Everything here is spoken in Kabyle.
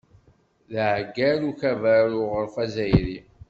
D aɛeggal n Ukabar n Uɣref Azzayri.